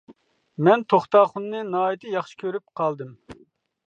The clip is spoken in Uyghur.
مەن توختاخۇننى ناھايىتى ياخشى كۆرۈپ قالدىم.